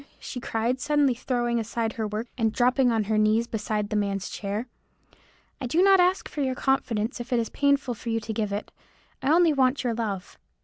she cried, suddenly throwing aside her work, and dropping on her knees beside the man's chair, "I do not ask for your confidence if it is painful to you to give it; I only want your love.